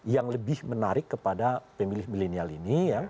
yang lebih menarik kepada pemilih milenial ini